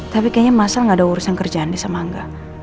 tapi kayaknya mas al enggak ada urusan kerjaan di sama angga